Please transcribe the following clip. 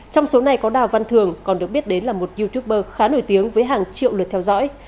trong số này có đào văn thường còn được biết đến là một youtuber khá nổi tiếng với hàng triệu lượt theo dõi